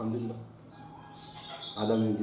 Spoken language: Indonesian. ada membeli sayur yang lebih baik